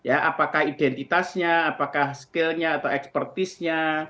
apakah identitasnya apakah skillnya atau expertise nya